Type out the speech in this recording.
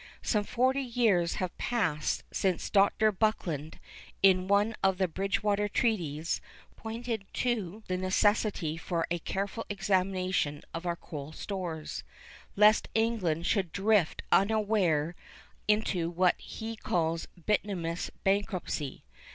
Some forty years have passed since Dr. Buckland, in one of the Bridgewater Treatises, pointed to the necessity for a careful examination of our coal stores, lest England should drift unawares into what he called 'bituminous bankruptcy.